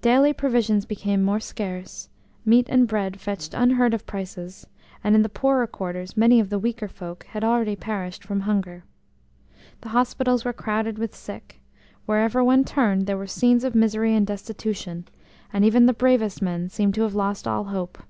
Daily provisions became more scarce; meat and bread fetched unheard of prices, and in the poorer quarters many of the weaker folk had already perished from hunger. The hospitals were crowded with sick; wherever one turned there were scenes of misery and destitution, and even the bravest men seemed to have lost all hope.